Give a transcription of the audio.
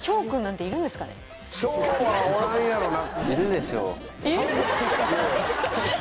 しょうはおらんやろな。